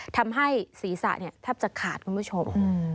ทำให้ศีรษะแทบจะขาดคุณผู้ชม